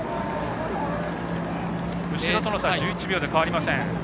後ろとの差は１１秒で変わりません。